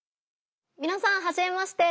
みなさんはじめまして。